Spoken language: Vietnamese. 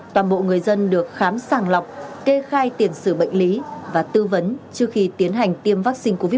toàn bộ người dân được khám sàng lọc kê khai tiền xử bệnh lý và tư vấn trước khi tiến hành tiêm vaccine covid một mươi chín